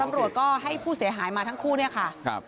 ตำรวจก็ให้ผู้เสียหายมาทั้งคู่เนี่ยค่ะ